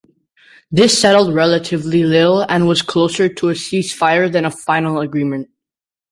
This settled relatively little and was closer to a ceasefire than a final agreement.